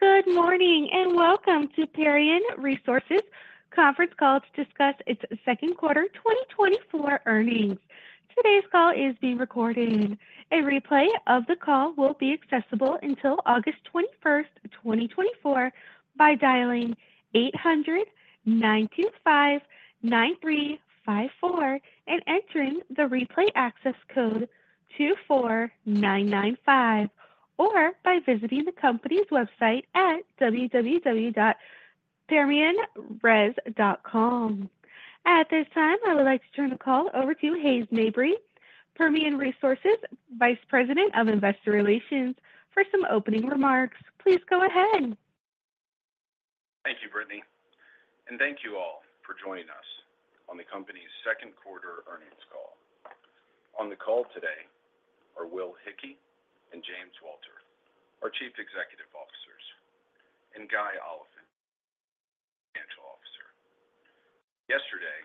Good morning, and welcome to Permian Resources conference call to discuss its Second Quarter 2024 Earnings. Today's call is being recorded. A replay of the call will be accessible until August 21, 2024 by dialing 800-925-9354 and entering the replay access code 24995, or by visiting the company's website at www.permianres.com. At this time, I would like to turn the call over to Hayes Mabry, Permian Resources Vice President of Investor Relations, for some opening remarks. Please go ahead. Thank you, Brittany, and thank you all for joining us on the company's second quarter earnings call. On the call today are Will Hickey and James Walter, our Chief Executive Officers, and Guy Oliphint, Chief Financial Officer. Yesterday,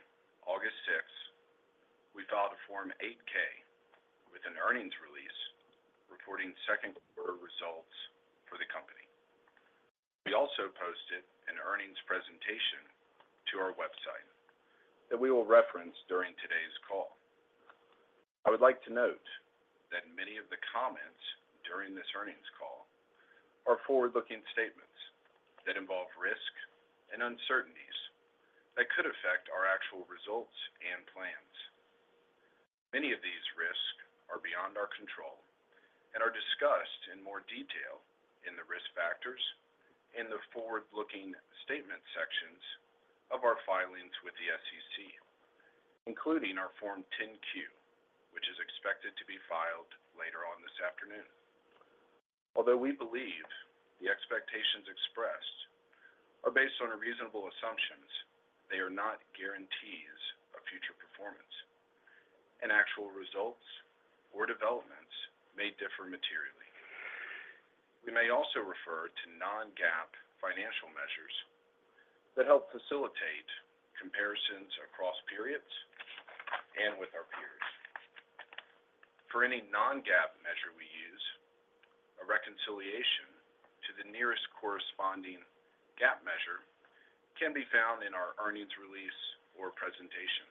August sixth, we filed a Form 8-K with an earnings release reporting second quarter results for the company. We also posted an earnings presentation to our website that we will reference during today's call. I would like to note that many of the comments during this earnings call are forward-looking statements that involve risk and uncertainties that could affect our actual results and plans. Many of these risks are beyond our control and are discussed in more detail in the Risk Factors and the Forward-Looking Statement sections of our filings with the SEC, including our Form 10-Q, which is expected to be filed later on this afternoon. Although we believe the expectations expressed are based on reasonable assumptions, they are not guarantees of future performance, and actual results or developments may differ materially. We may also refer to non-GAAP financial measures that help facilitate comparisons across periods and with our peers. For any non-GAAP measure we use, a reconciliation to the nearest corresponding GAAP measure can be found in our earnings release or presentation,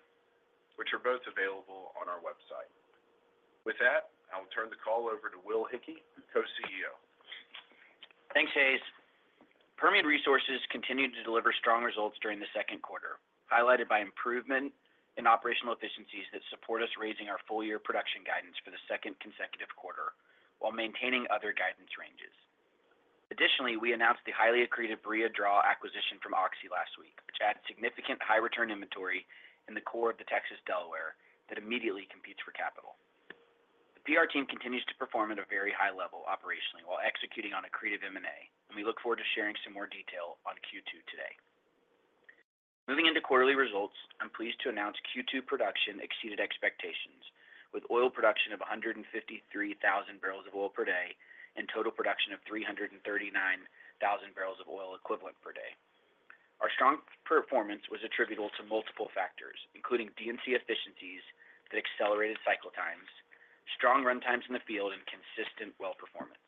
which are both available on our website. With that, I will turn the call over to Will Hickey, Co-CEO. Thanks, Hayes. Permian Resources continued to deliver strong results during the second quarter, highlighted by improvement in operational efficiencies that support us raising our full-year production guidance for the second consecutive quarter while maintaining other guidance ranges. Additionally, we announced the highly accretive Barilla Draw acquisition from Oxy last week, which added significant high return inventory in the core of the Texas Delaware that immediately competes for capital. The PR team continues to perform at a very high level operationally while executing on accretive M&A, and we look forward to sharing some more detail on Q2 today. Moving into quarterly results, I'm pleased to announce Q2 production exceeded expectations, with oil production of 153,000 barrels of oil per day and total production of 339,000 barrels of oil equivalent per day. Our strong performance was attributable to multiple factors, including DNC efficiencies that accelerated cycle times, strong runtimes in the field, and consistent well performance.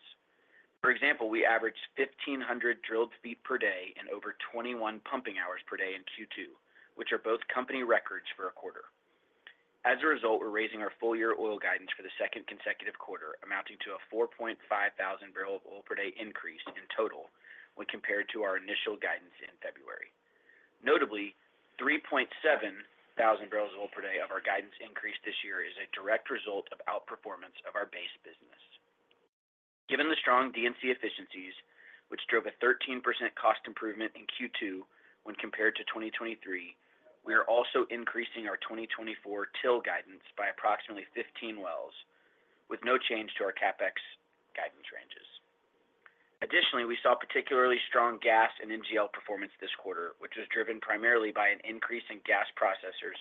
For example, we averaged 1,500 drilled feet per day and over 21 pumping hours per day in Q2, which are both company records for a quarter. As a result, we're raising our full-year oil guidance for the second consecutive quarter, amounting to a 4,500-barrel-of-oil-per-day increase in total when compared to our initial guidance in February. Notably, 3,700 barrels of oil per day of our guidance increase this year is a direct result of outperformance of our base business. Given the strong DNC efficiencies, which drove a 13% cost improvement in Q2 when compared to 2023, we are also increasing our 2024 full guidance by approximately 15 wells, with no change to our CapEx guidance ranges. Additionally, we saw particularly strong gas and NGL performance this quarter, which was driven primarily by an increase in gas processors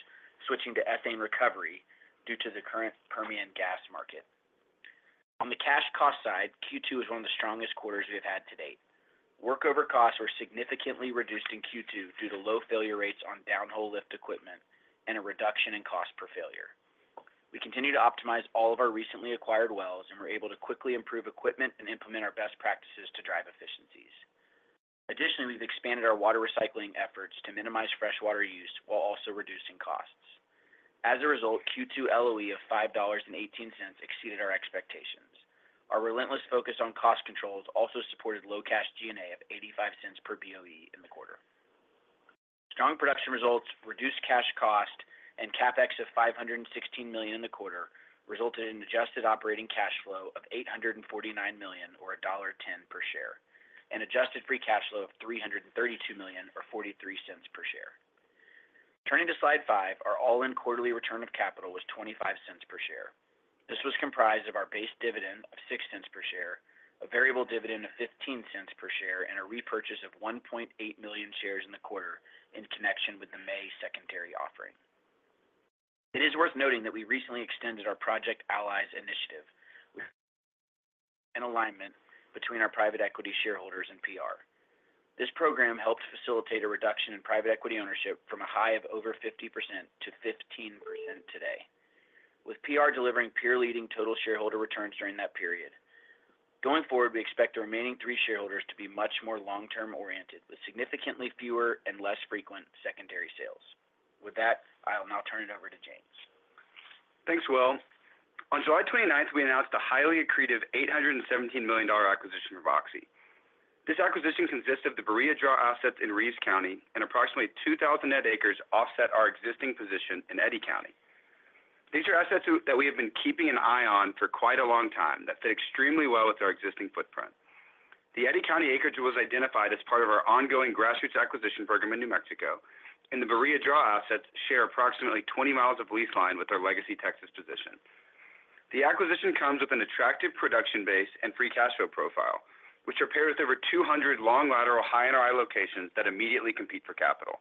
switching to ethane recovery due to the current Permian gas market. On the cash cost side, Q2 is one of the strongest quarters we've had to date. Workover costs were significantly reduced in Q2 due to low failure rates on downhole lift equipment and a reduction in cost per failure. We continue to optimize all of our recently acquired wells and were able to quickly improve equipment and implement our best practices to drive efficiencies. Additionally, we've expanded our water recycling efforts to minimize freshwater use while also reducing costs. As a result, Q2 LOE of $5.18 exceeded our expectations. Our relentless focus on cost controls also supported low cash G&A of $0.85 per BOE in the quarter. Strong production results, reduced cash cost, and CapEx of $516 million in the quarter resulted in adjusted operating cash flow of $849 million or $1.10 per share, and adjusted free cash flow of $332 million or $0.43 per share. Turning to Slide 5, our all-in quarterly return of capital was $0.25 per share. This was comprised of our base dividend of $0.06 per share, a variable dividend of $0.15 per share, and a repurchase of 1.8 million shares in the quarter in connection with the May secondary offering. It is worth noting that we recently extended our Project Allies initiative, an alignment between our private equity shareholders and PR. This program helped facilitate a reduction in private equity ownership from a high of over 50% to 15% today. With PR delivering peer leading total shareholder returns during that period. Going forward, we expect the remaining 3 shareholders to be much more long-term oriented, with significantly fewer and less frequent secondary sales. With that, I'll now turn it over to James. Thanks, Will. On July 29th, we announced a highly accretive $817 million acquisition of Oxy. This acquisition consists of the Barilla Draw assets in Reeves County and approximately 2,000 net acres offset our existing position in Eddy County. These are assets that we have been keeping an eye on for quite a long time, that fit extremely well with our existing footprint. The Eddy County acreage was identified as part of our ongoing grassroots acquisition program in New Mexico, and the Barilla Draw assets share approximately 20 miles of lease line with our legacy Texas position. The acquisition comes with an attractive production base and free cash flow profile, which are paired with over 200 long lateral high NRI locations that immediately compete for capital.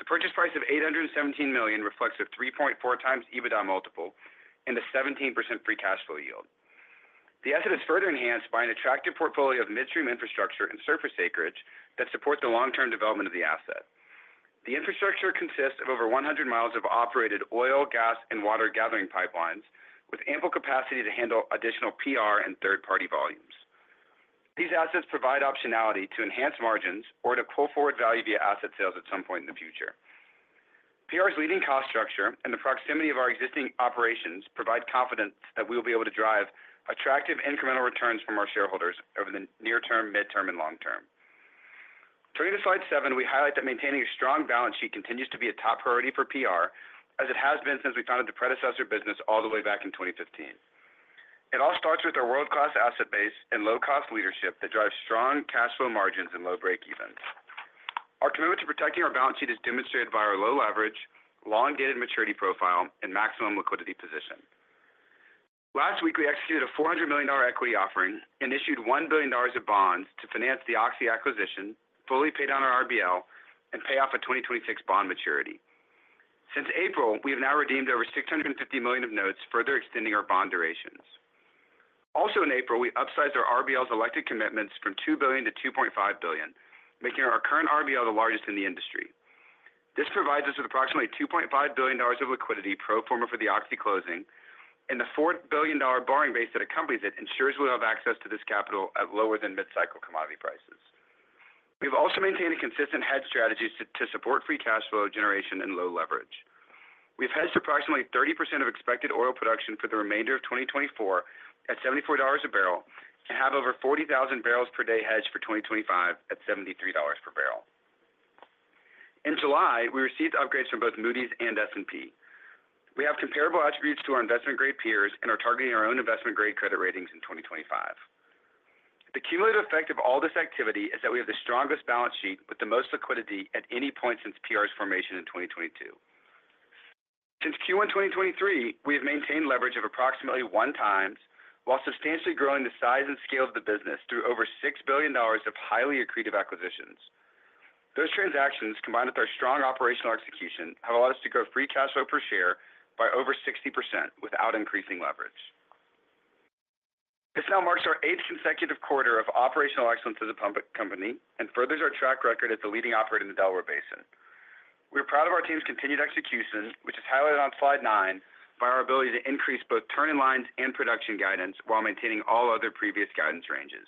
The purchase price of $817 million reflects a 3.4x EBITDA multiple and a 17% free cash flow yield. The asset is further enhanced by an attractive portfolio of midstream infrastructure and surface acreage that supports the long-term development of the asset. The infrastructure consists of over 100 miles of operated oil, gas, and water gathering pipelines, with ample capacity to handle additional PR and third-party volumes. These assets provide optionality to enhance margins or to pull forward value via asset sales at some point in the future. PR's leading cost structure and the proximity of our existing operations provide confidence that we will be able to drive attractive incremental returns from our shareholders over the near term, mid-term, and long term. Turning to slide 7, we highlight that maintaining a strong balance sheet continues to be a top priority for PR, as it has been since we founded the predecessor business all the way back in 2015. It all starts with our world-class asset base and low-cost leadership that drives strong cash flow margins and low breakevens. Our commitment to protecting our balance sheet is demonstrated by our low leverage, long dated maturity profile, and maximum liquidity position. Last week, we executed a $400 million equity offering and issued $1 billion of bonds to finance the Oxy acquisition, fully paid on our RBL, and pay off a 2026 bond maturity. Since April, we have now redeemed over $650 million of notes, further extending our bond durations. Also in April, we upsized our RBL's elected commitments from $2 billion to $2.5 billion, making our current RBL the largest in the industry. This provides us with approximately $2.5 billion of liquidity pro forma for the Oxy closing, and the $4 billion borrowing base that accompanies it ensures we'll have access to this capital at lower than mid-cycle commodity prices. We've also maintained a consistent hedge strategy to support free cash flow generation and low leverage. We've hedged approximately 30% of expected oil production for the remainder of 2024 at $74 a barrel, and have over 40,000 barrels per day hedged for 2025 at $73 per barrel. In July, we received upgrades from both Moody's and S&P. We have comparable attributes to our investment-grade peers and are targeting our own investment-grade credit ratings in 2025. The cumulative effect of all this activity is that we have the strongest balance sheet with the most liquidity at any point since PR's formation in 2022. Since Q1 2023, we have maintained leverage of approximately 1x, while substantially growing the size and scale of the business through over $6 billion of highly accretive acquisitions. Those transactions, combined with our strong operational execution, have allowed us to grow free cash flow per share by over 60% without increasing leverage. This now marks our eighth consecutive quarter of operational excellence as a public company and furthers our track record as the leading operator in the Delaware Basin. We're proud of our team's continued execution, which is highlighted on slide 9 by our ability to increase both turning lines and production guidance while maintaining all other previous guidance ranges.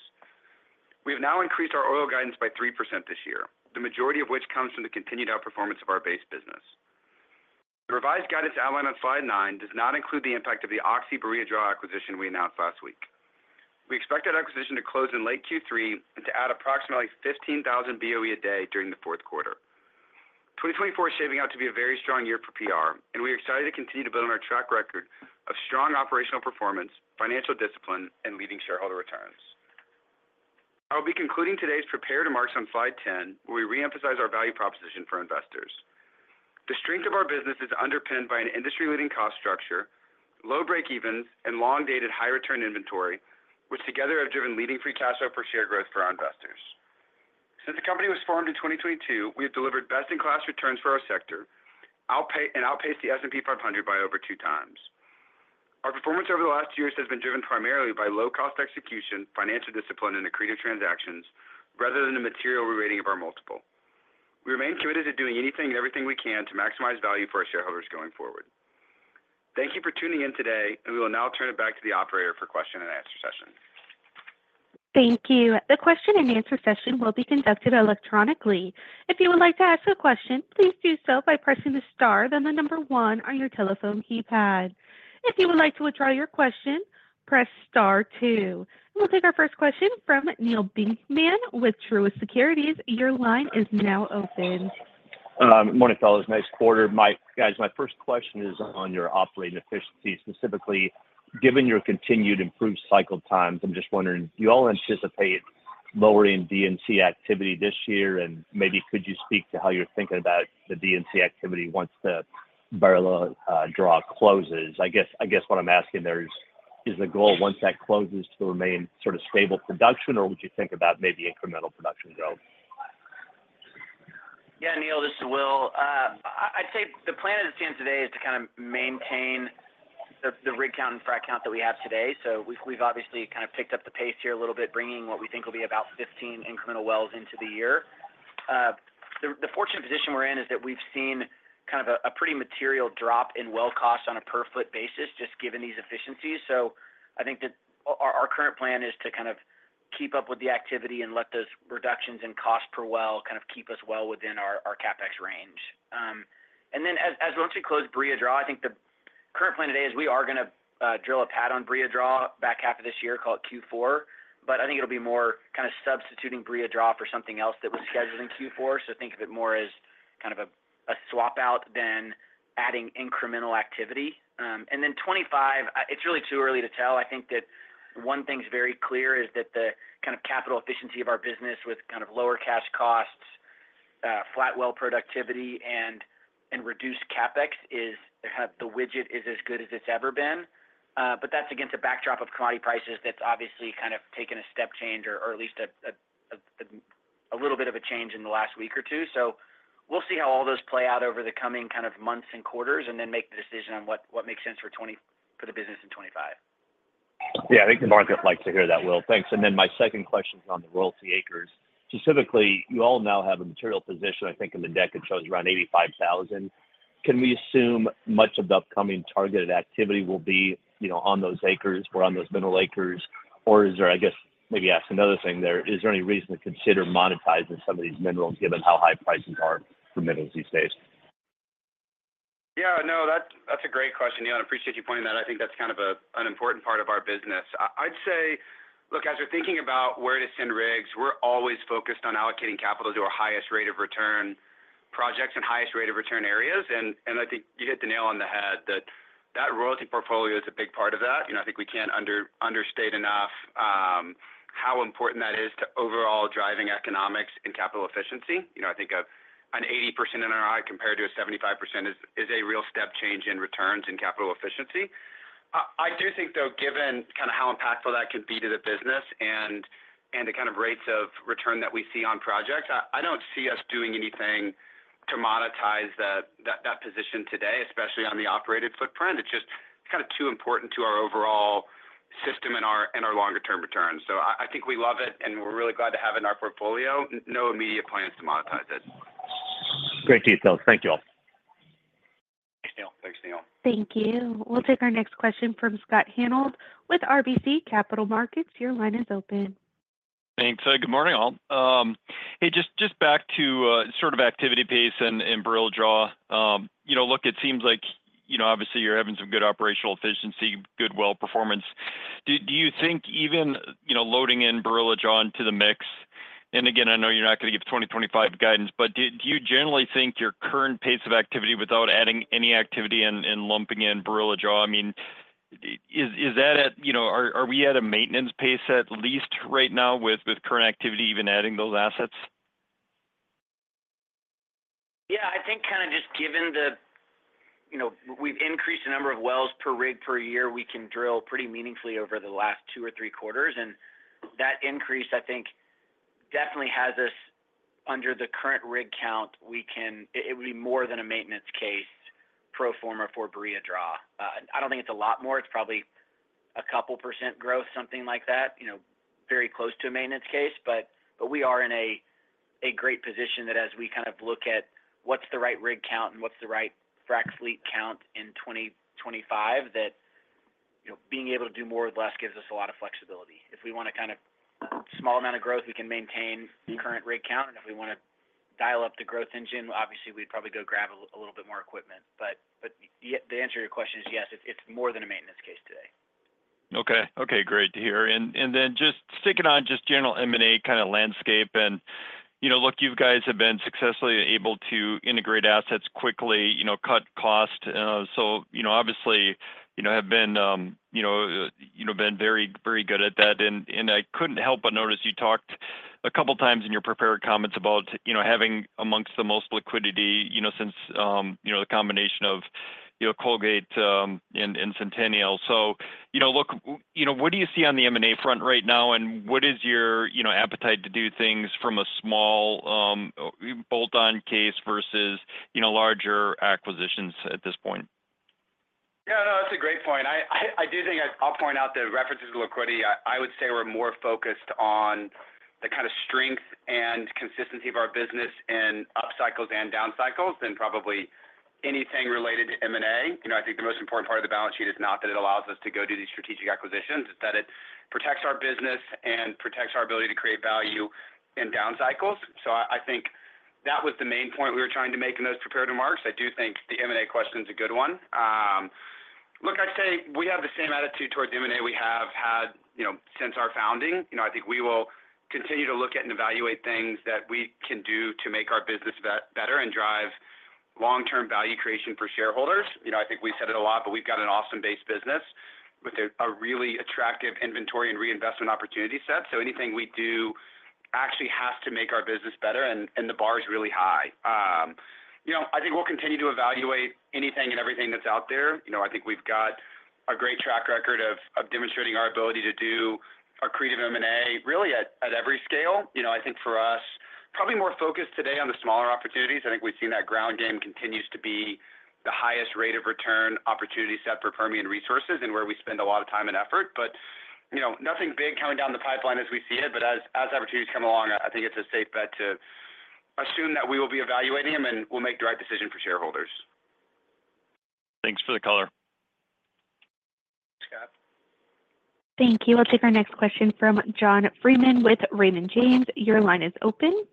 We have now increased our oil guidance by 3% this year, the majority of which comes from the continued outperformance of our base business. The revised guidance outlined on slide 9 does not include the impact of the Oxy Barilla Draw acquisition we announced last week. We expect that acquisition to close in late Q3 and to add approximately 15,000 BOE a day during the fourth quarter. 2024 is shaping out to be a very strong year for PR, and we are excited to continue to build on our track record of strong operational performance, financial discipline, and leading shareholder returns. I'll be concluding today's prepared remarks on slide 10, where we reemphasize our value proposition for investors. The strength of our business is underpinned by an industry-leading cost structure, low breakevens, and long-dated, high-return inventory, which together have driven leading free cash flow per share growth for our investors. Since the company was formed in 2022, we have delivered best-in-class returns for our sector, and outpaced the S&P 500 by over 2x. Our performance over the last years has been driven primarily by low-cost execution, financial discipline, and accretive transactions, rather than a material rerating of our multiple. We remain committed to doing anything and everything we can to maximize value for our shareholders going forward. Thank you for tuning in today, and we will now turn it back to the operator for question and answer session. Thank you. The question and answer session will be conducted electronically. If you would like to ask a question, please do so by pressing the star, then the number 1 on your telephone keypad. If you would like to withdraw your question, press star two. We'll take our first question from Neal Dingmann with Truist Securities. Your line is now open. Good morning, fellas. Nice quarter. My-- guys, my first question is on your operating efficiency. Specifically, given your continued improved cycle times, I'm just wondering, do you all anticipate lowering DNC activity this year? And maybe could you speak to how you're thinking about the DNC activity once the Barilla Draw closes? I guess, I guess what I'm asking there is, is the goal, once that closes, to remain sort of stable production, or would you think about maybe incremental production growth? Yeah, Neil, this is Will. I'd say the plan as it stands today is to kind of maintain the rig count and frac count that we have today. So we've obviously kind of picked up the pace here a little bit, bringing what we think will be about 15 incremental wells into the year. The fortunate position we're in is that we've seen kind of a pretty material drop in well costs on a per-foot basis, just given these efficiencies. So I think that our current plan is to kind of keep up with the activity and let those reductions in cost per well kind of keep us well within our CapEx range. And then, once we close Barilla Draw, I think the current plan today is we are gonna drill a pad on Barilla Draw back half of this year, call it Q4. But I think it'll be more kind of substituting Barilla Draw for something else that was scheduled in Q4. So think of it more as kind of a swap out than adding incremental activity. And then 25, it's really too early to tell. I think that one thing's very clear is that the kind of capital efficiency of our business with kind of lower cash costs, flat well productivity, and reduced CapEx is the widget is as good as it's ever been. But that's against a backdrop of commodity prices that's obviously kind of taken a step change or at least a little bit of a change in the last week or two. So we'll see how all those play out over the coming kind of months and quarters, and then make the decision on what makes sense for the business in 2025. Yeah, I think the market likes to hear that, Will. Thanks. And then my second question is on the royalty acres. Specifically, you all now have a material position. I think in the deck it shows around 85,000. Can we assume much of the upcoming targeted activity will be, you know, on those acres or on those mineral acres? Or is there, I guess, maybe ask another thing there, is there any reason to consider monetizing some of these minerals, given how high prices are for minerals these days? Yeah, no, that's a great question, Neal. I appreciate you pointing that out. I think that's kind of an important part of our business. I'd say, look, as we're thinking about where to send rigs, we're always focused on allocating capital to our highest rate of return projects and highest rate of return areas. And I think you hit the nail on the head, that royalty portfolio is a big part of that. You know, I think we can't understate enough how important that is to overall driving economics and capital efficiency. You know, I think an 80% ROI compared to a 75% is a real step change in returns and capital efficiency. I do think, though, given kind of how impactful that could be to the business and the kind of rates of return that we see on projects, I don't see us doing anything to monetize that position today, especially on the operated footprint. It's just kind of too important to our overall system and our longer term returns. So I think we love it, and we're really glad to have it in our portfolio. No immediate plans to monetize it. Great details. Thank you all. Thanks, Neil. Thanks, Neil. Thank you. We'll take our next question from Scott Hanold with RBC Capital Markets. Your line is open. Thanks. Good morning, all. Hey, just back to sort of activity pace and Barilla Draw. You know, look, it seems like, you know, obviously, you're having some good operational efficiency, good well performance. Do you think even, you know, loading in Barilla Draw into the mix, and again, I know you're not going to give 2025 guidance, but do you generally think your current pace of activity without adding any activity and lumping in Barilla Draw, I mean, is that at... You know, are we at a maintenance pace, at least right now, with current activity, even adding those assets? Yeah, I think kind of just given the, you know, we've increased the number of wells per rig per year, we can drill pretty meaningfully over the last two or three quarters. And that increase, I think, definitely has us under the current rig count, we can, it, it would be more than a maintenance case, pro forma for Barilla Draw. I don't think it's a lot more. It's probably a couple% growth, something like that, you know, very close to a maintenance case. But, but we are in a great position that as we kind of look at what's the right rig count and what's the right frack fleet count in 2025, that, you know, being able to do more with less gives us a lot of flexibility. If we want to kind of small amount of growth, we can maintain the current rig count. If we want to dial up the growth engine, obviously, we'd probably go grab a little bit more equipment. But the answer to your question is yes, it's more than a maintenance case today. Okay. Okay, great to hear. And then just sticking on just general M&A kind of landscape, and, you know, look, you guys have been successfully able to integrate assets quickly, you know, cut cost. So, you know, obviously, you know, have been, you know, been very, very good at that. And I couldn't help but notice you talked a couple of times in your prepared comments about, you know, having amongst the most liquidity, you know, since, you know, the combination of, you know, Colgate, and Centennial. So, you know, look, you know, what do you see on the M&A front right now, and what is your, you know, appetite to do things from a small, bolt-on case versus, you know, larger acquisitions at this point? Yeah, no, that's a great point. I do think I'll point out the references to liquidity. I would say we're more focused on the kind of strength and consistency of our business in up cycles and down cycles than probably anything related to M&A. You know, I think the most important part of the balance sheet is not that it allows us to go do these strategic acquisitions, it's that it protects our business and protects our ability to create value in down cycles. So I think that was the main point we were trying to make in those prepared remarks. I do think the M&A question is a good one. Look, I'd say we have the same attitude towards M&A we have had, you know, since our founding. You know, I think we will continue to look at and evaluate things that we can do to make our business better, and drive long-term value creation for shareholders. You know, I think we've said it a lot, but we've got an awesome base business with a really attractive inventory and reinvestment opportunity set. So anything we do actually has to make our business better, and the bar is really high. You know, I think we'll continue to evaluate anything and everything that's out there. You know, I think we've got a great track record of demonstrating our ability to do accretive M&A, really at every scale. You know, I think for us, probably more focused today on the smaller opportunities. I think we've seen that ground game continues to be the highest rate of return opportunity set for Permian Resources and where we spend a lot of time and effort. But,... you know, nothing big coming down the pipeline as we see it, but as opportunities come along, I think it's a safe bet to assume that we will be evaluating them, and we'll make the right decision for shareholders. Thanks for the color. Scott. Thank you. We'll take our next question from John Freeman with Raymond James. Your line is open.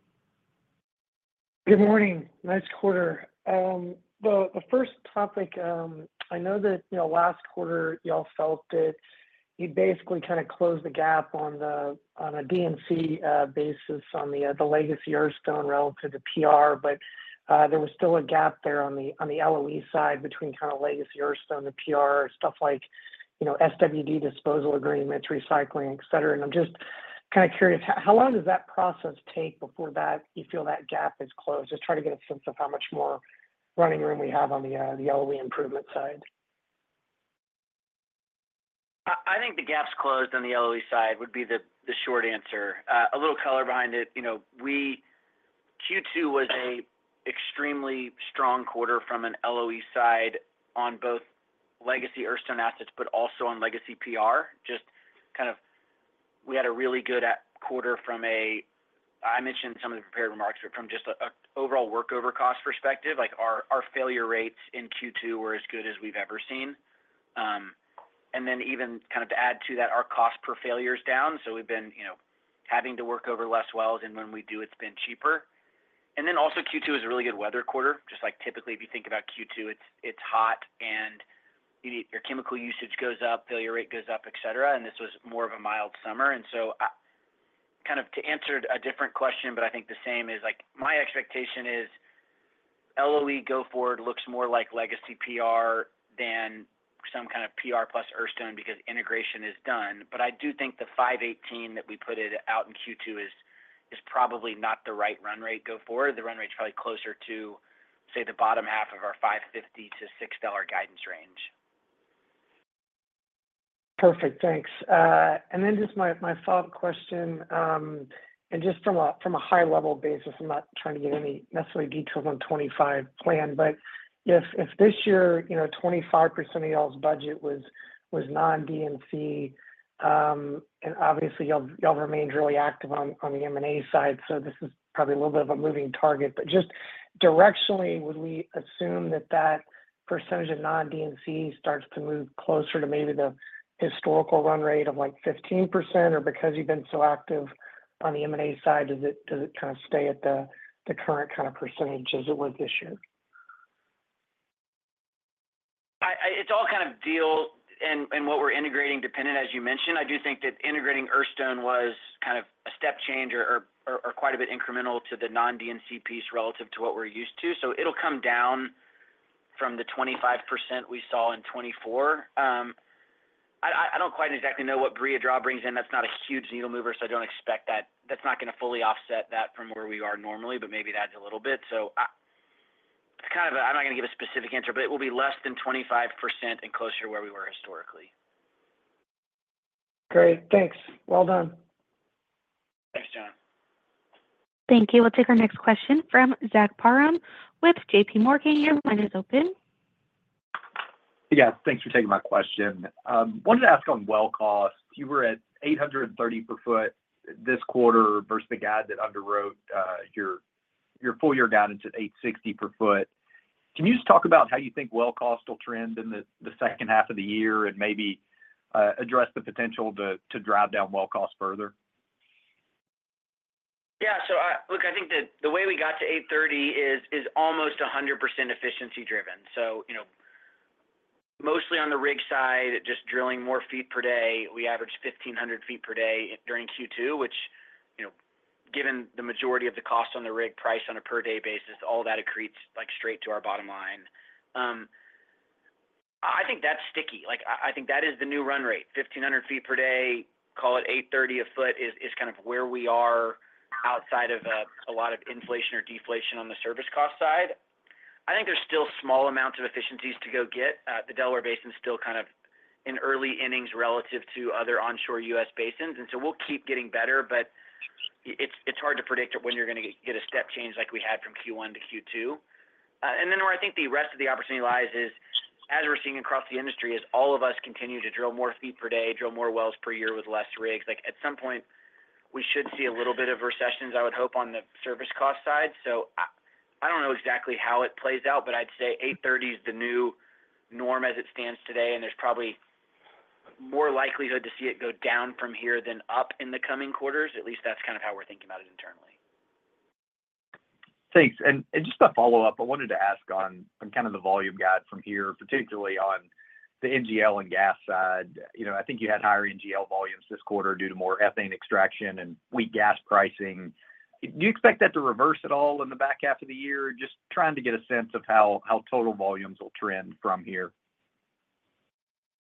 Good morning. Nice quarter. Well, the first topic, I know that, you know, last quarter, y'all felt that you basically kind of closed the gap on the, on a DNC basis on the legacy Earthstone relative to PR. But, there was still a gap there on the, on the LOE side between kind of legacy Earthstone, the PR, stuff like, you know, SWD disposal agreements, recycling, et cetera. And I'm just kind of curious, how long does that process take before that you feel that gap is closed? Just trying to get a sense of how much more running room we have on the LOE improvement side. I think the gap's closed on the LOE side, would be the short answer. A little color behind it, you know, we—Q2 was a extremely strong quarter from an LOE side on both legacy Earthstone assets, but also on legacy PR. Just kind of, we had a really good quarter from a—I mentioned some of the prepared remarks, but from just a overall workover cost perspective, like our failure rates in Q2 were as good as we've ever seen. And then even kind of to add to that, our cost per failure is down. So we've been, you know, having to work over less wells, and when we do, it's been cheaper. Then also Q2 is a really good weather quarter, just like typically, if you think about Q2, it's hot and you need your chemical usage goes up, failure rate goes up, et cetera, and this was more of a mild summer. So, kind of to answer a different question, but I think the same, is like, my expectation is LOE go forward looks more like legacy PR than some kind of PR plus Earthstone because integration is done. But I do think the $5.18 that we put out in Q2 is probably not the right run rate go forward. The run rate is probably closer to, say, the bottom half of our $5.50-$6 guidance range. Perfect, thanks. And then just my, my follow-up question, and just from a, from a high-level basis, I'm not trying to get any necessarily details on 2025 plan, but if, if this year, you know, 25% of y'all's budget was, was non-DNC, and obviously, y'all, y'all remained really active on, on the M&A side, so this is probably a little bit of a moving target. But just directionally, would we assume that that percentage of non-DNC starts to move closer to maybe the historical run rate of, like, 15%? Or because you've been so active on the M&A side, does it, does it kind of stay at the, the current kind of percentage as it was this year? I— It's all kind of deal, and what we're integrating dependent, as you mentioned. I do think that integrating Earthstone was kind of a step change or quite a bit incremental to the non-DNC piece relative to what we're used to. So it'll come down from the 25% we saw in 2024. I don't quite exactly know what Barilla Draw brings in. That's not a huge needle mover, so I don't expect that. That's not going to fully offset that from where we are normally, but maybe it adds a little bit. So, it's kind of a— I'm not going to give a specific answer, but it will be less than 25% and closer to where we were historically. Great. Thanks. Well done. Thanks, John. Thank you. We'll take our next question from Zach Parham with J.P. Morgan. Your line is open. Yeah, thanks for taking my question. Wanted to ask on well costs. You were at 830 per foot this quarter versus the guide that underwrote, your, your full year down into 860 per foot. Can you just talk about how you think well cost will trend in the, the second half of the year and maybe, address the potential to, to drive down well cost further? Yeah. So look, I think the way we got to $830 is almost 100% efficiency driven. So, you know, mostly on the rig side, just drilling more feet per day. We averaged 1,500 feet per day during Q2, which, you know, given the majority of the cost on the rig price on a per day basis, all that accretes, like, straight to our bottom line. I think that's sticky. Like, I think that is the new run rate, 1,500 feet per day, call it $830 a foot is kind of where we are outside of a lot of inflation or deflation on the service cost side. I think there's still small amounts of efficiencies to go get. The Delaware Basin is still kind of in early innings relative to other onshore U.S. basins, and so we'll keep getting better, but it's, it's hard to predict when you're going to get a step change like we had from Q1 to Q2. And then where I think the rest of the opportunity lies is, as we're seeing across the industry, is all of us continue to drill more feet per day, drill more wells per year with less rigs. Like, at some point, we should see a little bit of recessions, I would hope, on the service cost side. So I, I don't know exactly how it plays out, but I'd say $830 is the new norm as it stands today, and there's probably more likelihood to see it go down from here than up in the coming quarters. At least that's kind of how we're thinking about it internally. Thanks. And just a follow-up, I wanted to ask on kind of the volume guide from here, particularly on the NGL and gas side. You know, I think you had higher NGL volumes this quarter due to more ethane extraction and weak gas pricing. Do you expect that to reverse at all in the back half of the year? Just trying to get a sense of how total volumes will trend from here.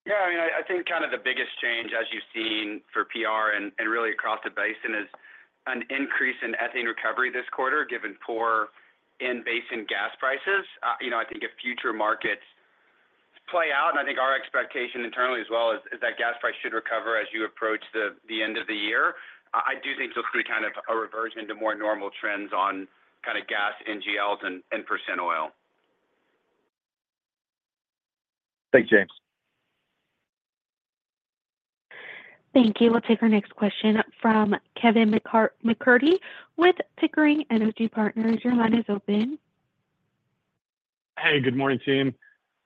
Yeah, I mean, I think kind of the biggest change, as you've seen for PR and, and really across the basin, is an increase in ethane recovery this quarter, given poor in-basin gas prices. You know, I think if future markets play out, and I think our expectation internally as well is that gas price should recover as you approach the end of the year. I do think you'll see kind of a reversion to more normal trends on kind of gas, NGLs, and percent oil.... Thanks, James. Thank you. We'll take our next question from Kevin MacCurdy with Pickering Energy Partners. Your line is open. Hey, good morning, team.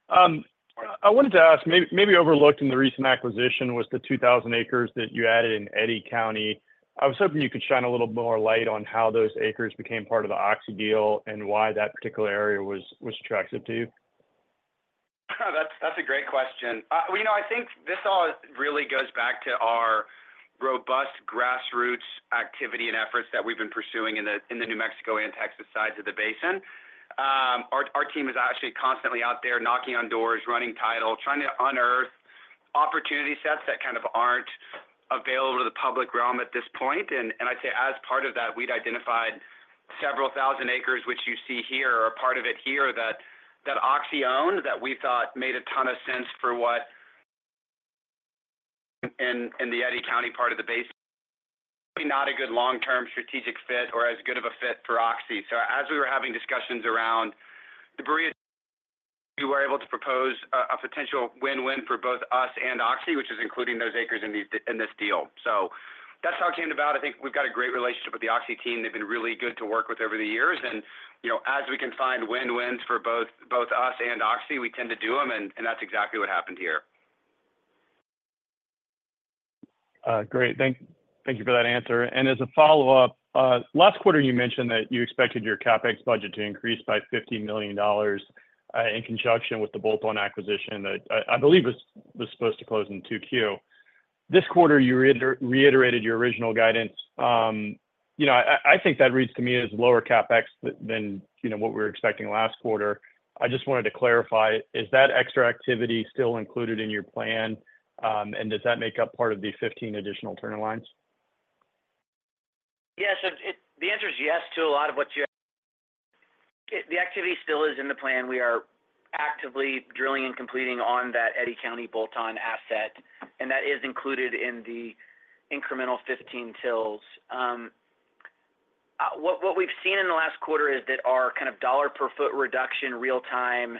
I wanted to ask, maybe overlooked in the recent acquisition was the 2,000 acres that you added in Eddy County. I was hoping you could shine a little more light on how those acres became part of the Oxy deal and why that particular area was attractive to you. That's, that's a great question. Well, you know, I think this all really goes back to our robust grassroots activity and efforts that we've been pursuing in the, in the New Mexico and Texas sides of the basin. Our, our team is actually constantly out there knocking on doors, running title, trying to unearth opportunity sets that kind of aren't available to the public realm at this point. And, and I'd say as part of that, we'd identified several thousand acres, which you see here or a part of it here, that, that Oxy owned, that we thought made a ton of sense for what in, in the Eddy County part of the basin. Not a good long-term strategic fit or as good of a fit for Oxy. So as we were having discussions around the Barilla, we were able to propose a potential win-win for both us and Oxy, which is including those acres in this deal. So that's how it came about. I think we've got a great relationship with the Oxy team. They've been really good to work with over the years. And, you know, as we can find win-wins for both us and Oxy, we tend to do them, and that's exactly what happened here. Great. Thank you for that answer. As a follow-up, last quarter, you mentioned that you expected your CapEx budget to increase by $50 million in conjunction with the bolt-on acquisition that I believe was supposed to close in 2Q. This quarter, you reiterated your original guidance. You know, I think that reads to me as lower CapEx than you know, what we were expecting last quarter. I just wanted to clarify, is that extra activity still included in your plan, and does that make up part of the 15 additional turn lines? Yes, it – the answer is yes to a lot of what you... The activity still is in the plan. We are actively drilling and completing on that Eddy County bolt-on asset, and that is included in the incremental 15 wells. What we've seen in the last quarter is that our kind of dollar per foot reduction real time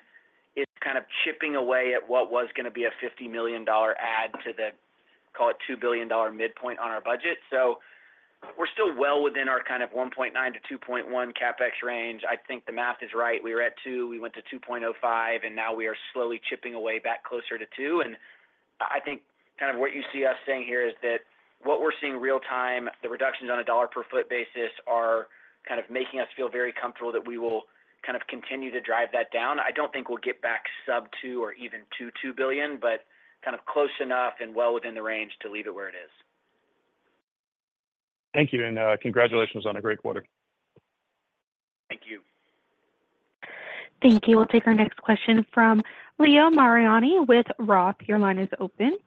is kind of chipping away at what was gonna be a $50 million add to the, call it $2 billion midpoint on our budget. So we're still well within our kind of 1.9-2.1 CapEx range. I think the math is right. We were at 2, we went to 2.05, and now we are slowly chipping away back closer to 2. I, I think kind of what you see us saying here is that what we're seeing real time, the reductions on a dollar per foot basis are kind of making us feel very comfortable that we will kind of continue to drive that down. I don't think we'll get back sub $2 billion or even to $2 billion, but kind of close enough and well within the range to leave it where it is. Thank you, and, congratulations on a great quarter. Thank you. Thank you. We'll take our next question from Leo Mariani with Roth. Your line is open.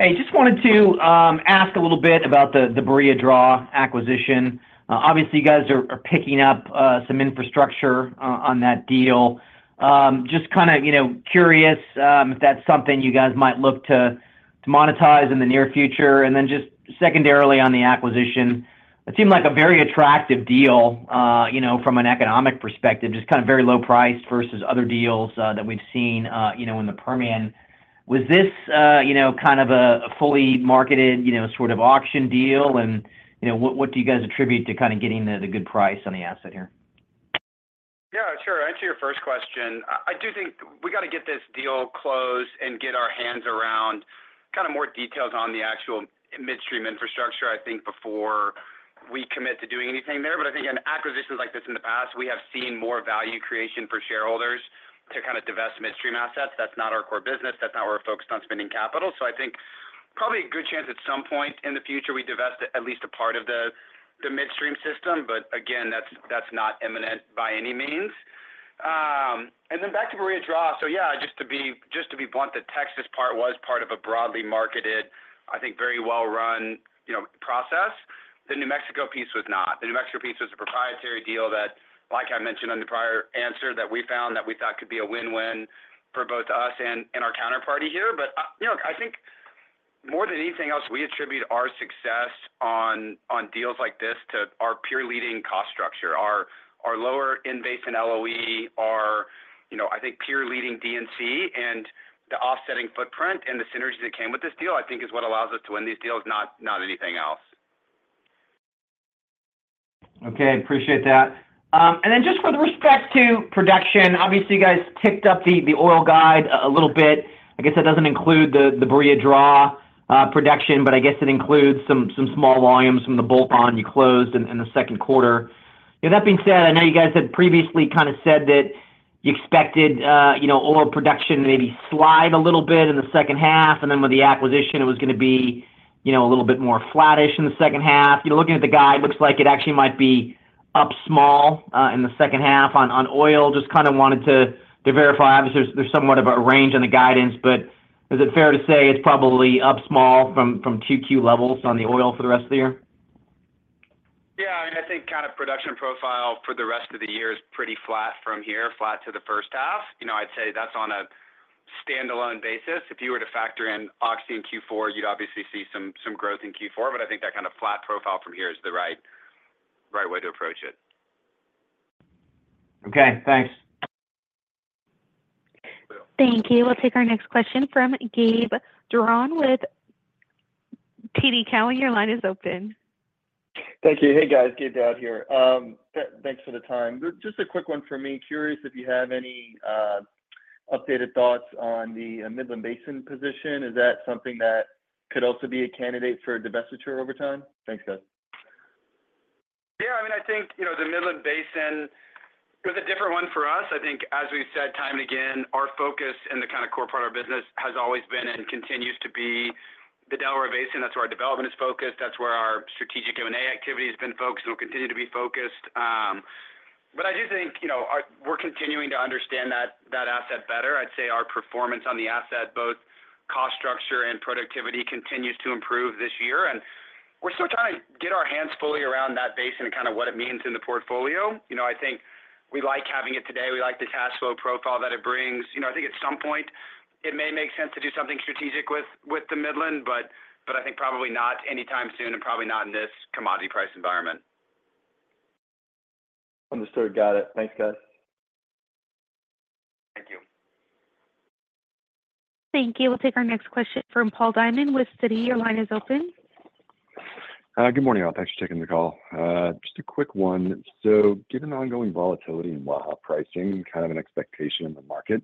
Hey, just wanted to ask a little bit about the Barilla Draw acquisition. Obviously, you guys are picking up some infrastructure on that deal. Just kinda, you know, curious if that's something you guys might look to monetize in the near future. And then just secondarily on the acquisition, it seemed like a very attractive deal, you know, from an economic perspective, just kind of very low price versus other deals that we've seen, you know, in the Permian. Was this, you know, kind of a fully marketed, you know, sort of auction deal? And, you know, what do you guys attribute to kind of getting the good price on the asset here? Yeah, sure. To answer your first question, I do think we got to get this deal closed and get our hands around kind of more details on the actual midstream infrastructure, I think before we commit to doing anything there. But I think in acquisitions like this in the past, we have seen more value creation for shareholders to kind of divest midstream assets. That's not our core business. That's not where we're focused on spending capital. So I think probably a good chance at some point in the future, we divest at least a part of the midstream system. But again, that's not imminent by any means. And then back to Barilla Draw. So yeah, just to be blunt, the Texas part was part of a broadly marketed, I think, very well run, you know, process. The New Mexico piece was not. The New Mexico piece was a proprietary deal that, like I mentioned on the prior answer, that we found that we thought could be a win-win for both us and, and our counterparty here. But, you know, I think more than anything else, we attribute our success on, on deals like this to our peer leading cost structure, our, our lower invasive LOE, our, you know, I think, peer leading DNC, and the offsetting footprint and the synergy that came with this deal, I think is what allows us to win these deals, not, not anything else. Okay, appreciate that. And then just with respect to production, obviously, you guys ticked up the oil guide a little bit. I guess that doesn't include the Barilla Draw production, but I guess it includes some small volumes from the bolt-on you closed in the second quarter. With that being said, I know you guys had previously kind of said that you expected, you know, oil production to maybe slide a little bit in the second half, and then with the acquisition, it was gonna be, you know, a little bit more flattish in the second half. You know, looking at the guide, it looks like it actually might be up small in the second half on oil. Just kind of wanted to verify. Obviously, there's somewhat of a range on the guidance, but is it fair to say it's probably up small from 2Q levels on the oil for the rest of the year? Yeah, I mean, I think kind of production profile for the rest of the year is pretty flat from here, flat to the first half. You know, I'd say that's on a standalone basis. If you were to factor in Oxy in Q4, you'd obviously see some, some growth in Q4, but I think that kind of flat profile from here is the right, right way to approach it. Okay, thanks. Thank you. We'll take our next question from Gabe Daoud with TD Cowen. Your line is open. Thank you. Hey, guys, Gabe Daoud here. Thanks for the time. Just a quick one for me. Curious if you have any updated thoughts on the Midland Basin position. Is that something that could also be a candidate for divestiture over time? Thanks, guys. Yeah, I mean, I think, you know, the Midland Basin is a different one for us. I think, as we've said time and again, our focus and the kind of core part of our business has always been and continues to be the Delaware Basin. That's where our development is focused. That's where our strategic M&A activity has been focused and will continue to be focused. But I do think, you know, our-- we're continuing to understand that, that asset better. I'd say our performance on the asset, both cost structure and productivity, continues to improve this year, and we're still trying to get our hands fully around that basin and kind of what it means in the portfolio. You know, I think we like having it today. We like the cash flow profile that it brings. You know, I think at some point it may make sense to do something strategic with, with the Midland, but, but I think probably not anytime soon and probably not in this commodity price environment. Understood. Got it. Thanks, guys. Thank you. Thank you. We'll take our next question from Paul Diamond with Citi. Your line is open. Good morning, all. Thanks for taking the call. Just a quick one. So given the ongoing volatility in Waha pricing, kind of an expectation in the market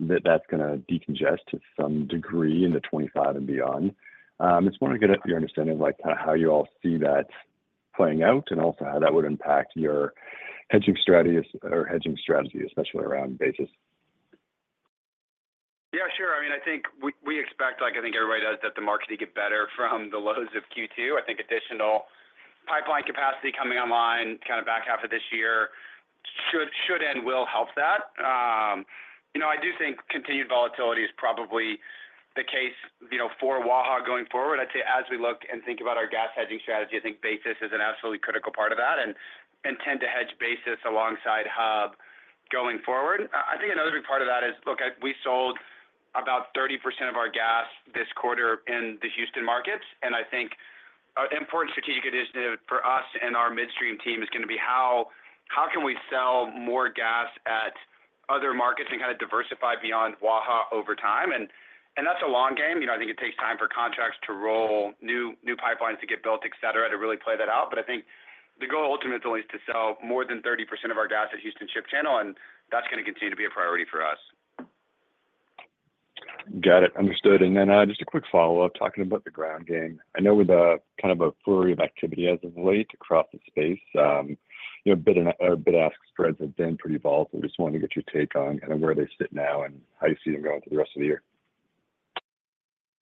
that that's gonna decongest to some degree into 2025 and beyond, I just want to get your understanding of, like, how you all see that playing out, and also how that would impact your hedging strategies or hedging strategy, especially around basis. Yeah, sure. I mean, I think we expect, like I think everybody does, that the markets get better from the lows of Q2. I think additional pipeline capacity coming online kind of back half of this year should end will help that. You know, I do think continued volatility is probably the case, you know, for Waha going forward. I'd say as we look and think about our gas hedging strategy, I think basis is an absolutely critical part of that and tend to hedge basis alongside hub going forward. I think another big part of that is, look, we sold about 30% of our gas this quarter in the Houston markets, and I think an important strategic initiative for us and our midstream team is gonna be how can we sell more gas at other markets and kind of diversify beyond Waha over time? And that's a long game. You know, I think it takes time for contracts to roll, new pipelines to get built, et cetera, to really play that out. But I think the goal ultimately is to sell more than 30% of our gas at Houston Ship Channel, and that's gonna continue to be a priority for us. Got it. Understood. And then, just a quick follow-up, talking about the ground game. I know with the kind of a flurry of activity as of late across the space, you know, bid ask spreads have been pretty volatile. Just wanted to get your take on kind of where they sit now and how you see them going through the rest of the year.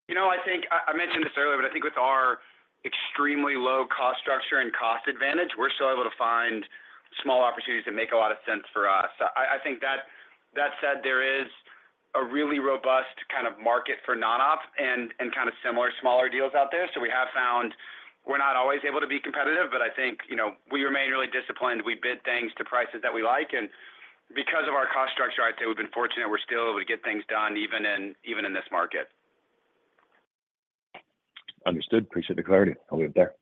You know, I think I mentioned this earlier, but I think with our extremely low cost structure and cost advantage, we're still able to find small opportunities that make a lot of sense for us. I think that said, there is a really robust kind of market for non-op and kind of similar smaller deals out there. So we have found we're not always able to be competitive, but I think, you know, we remain really disciplined. We bid things to prices that we like, and because of our cost structure, I'd say we've been fortunate. We're still able to get things done, even in this market. Understood. Appreciate the clarity. I'll leave it there.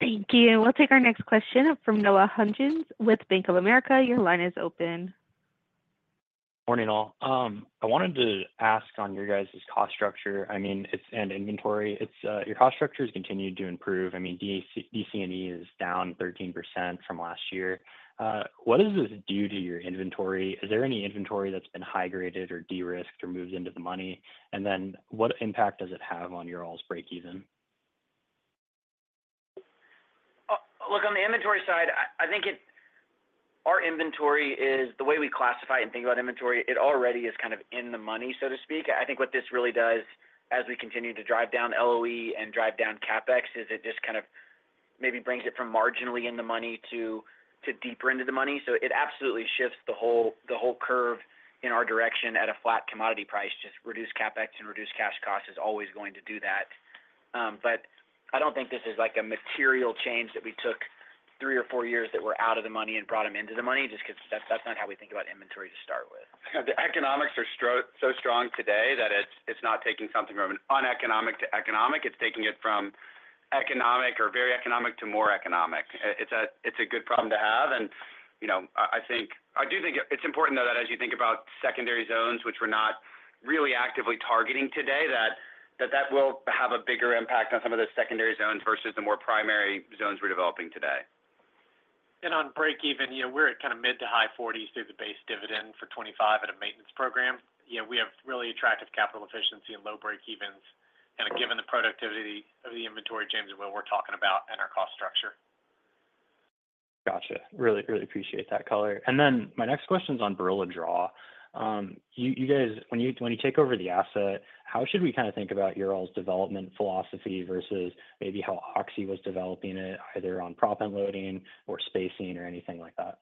Thank you. We'll take our next question from Noah Hungness with Bank of America. Your line is open. Morning, all. I wanted to ask on your guys' cost structure, I mean, it's an inventory. It's your cost structure has continued to improve. I mean, DNC is down 13% from last year. What does this do to your inventory? Is there any inventory that's been high graded or de-risked or moved into the money? And then what impact does it have on your all's breakeven? Look, on the inventory side, I think it, our inventory is the way we classify and think about inventory, it already is kind of in the money, so to speak. I think what this really does as we continue to drive down LOE and drive down CapEx, is it just kind of maybe brings it from marginally in the money to deeper into the money. So it absolutely shifts the whole curve in our direction at a flat commodity price. Just reduce CapEx and reduce cash cost is always going to do that. But I don't think this is like a material change that we took three or four years that were out of the money and brought them into the money, just 'cause that's not how we think about inventory to start with. The economics are so strong today that it's not taking something from an uneconomic to economic. It's taking it from economic or very economic to more economic. It's a good problem to have. You know, I think. I do think it's important, though, that as you think about secondary zones, which we're not really actively targeting today, that will have a bigger impact on some of those secondary zones versus the more primary zones we're developing today. On breakeven, you know, we're at kind of mid- to high 40s through the Base Dividend for 2025 at a maintenance program. You know, we have really attractive capital efficiency and low breakevens. And given the productivity of the inventory, James, and what we're talking about and our cost structure. Gotcha. Really, really appreciate that color. And then my next question is on Barilla Draw. You guys, when you take over the asset, how should we kind of think about your all's development philosophy versus maybe how Oxy was developing it, either on proppant loading or spacing or anything like that?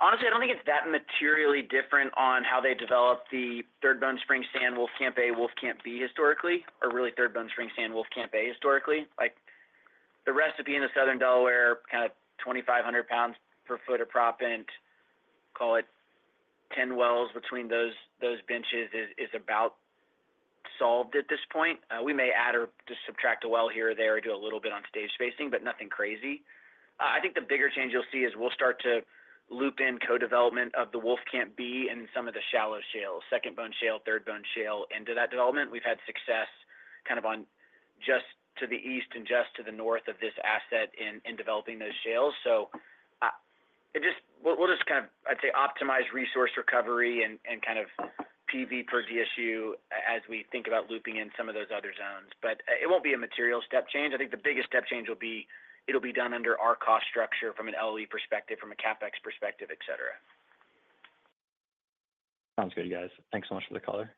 Honestly, I don't think it's that materially different on how they developed the Third Bone Spring Sand Wolfcamp A, Wolfcamp B historically, or really Third Bone Spring Sand Wolfcamp A historically. Like-... The recipe in the Southern Delaware, kind of 2,500 pounds per foot of proppant, call it 10 wells between those, those benches is, is about solved at this point. We may add or just subtract a well here or there, or do a little bit on stage spacing, but nothing crazy. I think the bigger change you'll see is we'll start to loop in co-development of the Wolfcamp B and some of the shallow shales, Second Bone Shale, Third Bone Shale into that development. We've had success kind of on just to the east and just to the north of this asset in, in developing those shales. So, it just—we'll just kind of, I'd say, optimize resource recovery and, and kind of PV per DSU as we think about looping in some of those other zones. It won't be a material step change. I think the biggest step change will be, it'll be done under our cost structure from a LOE perspective, from a CapEx perspective, et cetera. Sounds good, you guys. Thanks so much for the color.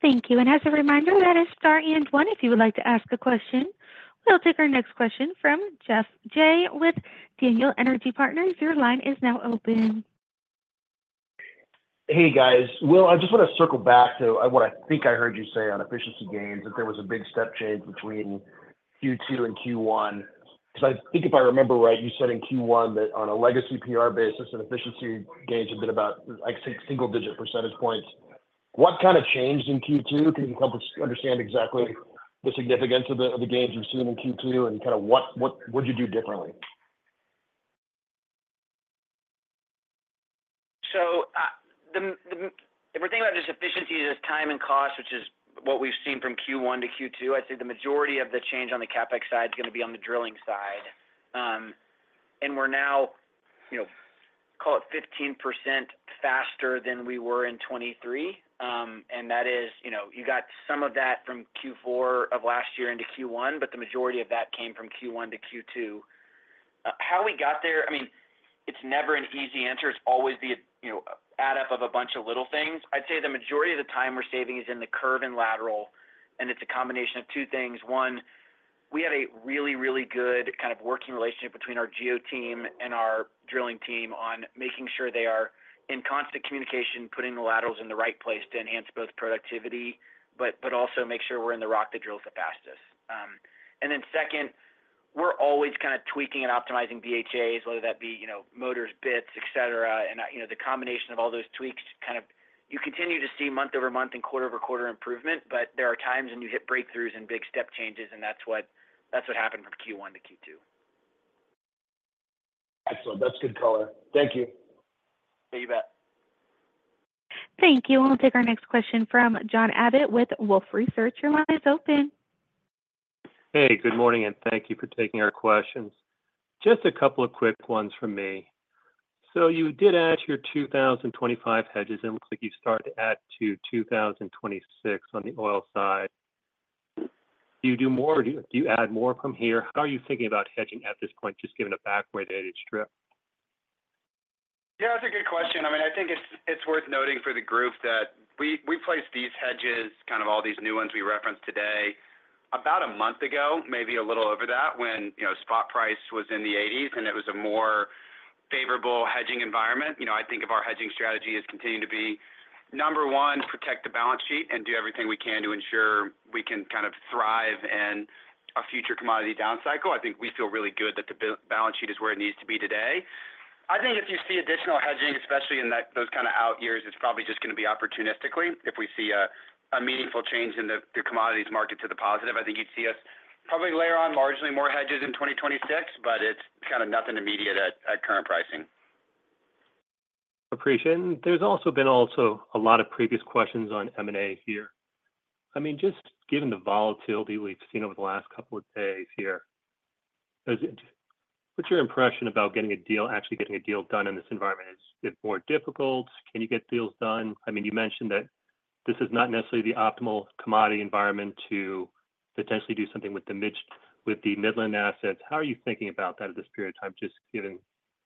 Thank you. As a reminder, that is star and one if you would like to ask a question. We'll take our next question from Geoff Jay with Daniel Energy Partners. Your line is now open. Hey, guys. Will, I just want to circle back to what I think I heard you say on efficiency gains, that there was a big step change between Q2 and Q1. Because I think if I remember right, you said in Q1 that on a legacy PR basis, an efficiency gain had been about, like, six single-digit percentage points. What kind of changed in Q2? Can you help us understand exactly the significance of the gains you've seen in Q2, and kind of what did you do differently? So, if we're thinking about just efficiency as time and cost, which is what we've seen from Q1 to Q2, I'd say the majority of the change on the CapEx side is gonna be on the drilling side. And we're now, you know, call it 15% faster than we were in 2023. And that is, you know, you got some of that from Q4 of last year into Q1, but the majority of that came from Q1 to Q2. How we got there, I mean, it's never an easy answer. It's always the, you know, add up of a bunch of little things. I'd say the majority of the time we're saving is in the curve and lateral, and it's a combination of two things. One, we have a really, really good kind of working relationship between our geo team and our drilling team on making sure they are in constant communication, putting the laterals in the right place to enhance both productivity, but, but also make sure we're in the rock that drills the fastest. And then second, we're always kind of tweaking and optimizing BHAs, whether that be, you know, motors, bits, et cetera. And, you know, the combination of all those tweaks, kind of, you continue to see month-over-month and quarter-over-quarter improvement, but there are times when you hit breakthroughs and big step changes, and that's what, that's what happened from Q1 to Q2. Excellent. That's good color. Thank you. You bet. Thank you. We'll take our next question from John Abbott with Wolfe Research. Your line is open. Hey, good morning, and thank you for taking our questions. Just a couple of quick ones from me. So you did add your 2025 hedges, and it looks like you've started to add to 2026 on the oil side. Do you do more, or do you, do you add more from here? How are you thinking about hedging at this point, just given a backwardated strip? Yeah, that's a good question. I mean, I think it's worth noting for the group that we placed these hedges, kind of all these new ones we referenced today, about a month ago, maybe a little over that, when, you know, spot price was in the eighties, and it was a more favorable hedging environment. You know, I think of our hedging strategy as continuing to be, number one, protect the balance sheet and do everything we can to ensure we can kind of thrive in a future commodity down cycle. I think we feel really good that the balance sheet is where it needs to be today. I think if you see additional hedging, especially in that, those kind of out years, it's probably just gonna be opportunistically. If we see a meaningful change in the commodities market to the positive, I think you'd see us probably layer on marginally more hedges in 2026, but it's kind of nothing immediate at current pricing. Appreciate it. And there's also been a lot of previous questions on M&A here. I mean, just given the volatility we've seen over the last couple of days here, does it, what's your impression about getting a deal, actually getting a deal done in this environment? Is it more difficult? Can you get deals done? I mean, you mentioned that this is not necessarily the optimal commodity environment to potentially do something with the Midland assets. How are you thinking about that at this period of time, just given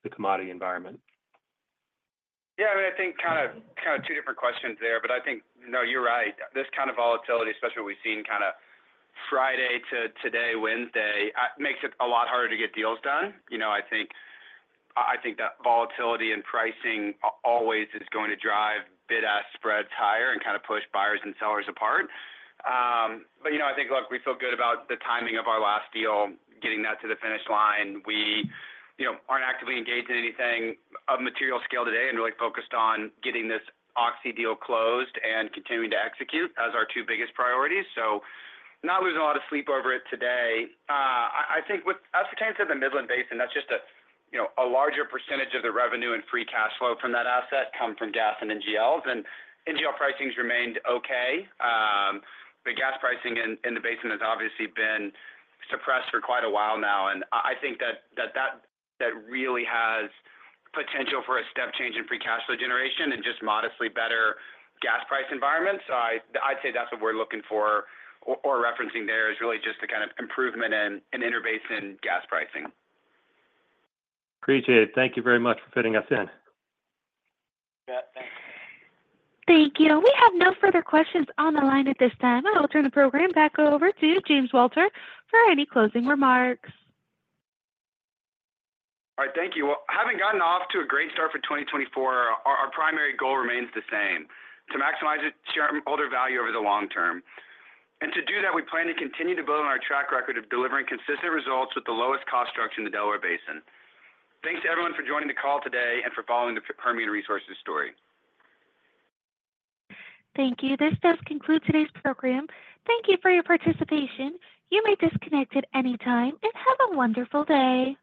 the commodity environment? Yeah, I mean, I think kind of, kind of two different questions there, but I think, no, you're right. This kind of volatility, especially what we've seen kind of Friday to today, Wednesday, makes it a lot harder to get deals done. You know, I think, I think that volatility in pricing always is going to drive bid-ask spreads higher and kind of push buyers and sellers apart. But, you know, I think, look, we feel good about the timing of our last deal, getting that to the finish line. We, you know, aren't actively engaged in anything of material scale today and really focused on getting this Oxy deal closed and continuing to execute as our two biggest priorities. So not losing a lot of sleep over it today. I think with us pertaining to the Midland Basin, that's just a, you know, a larger percentage of the revenue and free cash flow from that asset come from gas and NGLs, and NGL pricing's remained okay. But gas pricing in the basin has obviously been suppressed for quite a while now, and I think that really has potential for a step change in free cash flow generation and just modestly better gas price environments. So I'd say that's what we're looking for or referencing there, is really just a kind of improvement in interbasin gas pricing. Appreciate it. Thank you very much for fitting us in. Yeah, thanks. Thank you. We have no further questions on the line at this time. I'll turn the program back over to James Walter for any closing remarks. All right. Thank you. Well, having gotten off to a great start for 2024, our, our primary goal remains the same, to maximize its shareholder value over the long term. And to do that, we plan to continue to build on our track record of delivering consistent results with the lowest cost structure in the Delaware Basin. Thanks, everyone, for joining the call today and for following the Permian Resources story. Thank you. This does conclude today's program. Thank you for your participation. You may disconnect at any time, and have a wonderful day.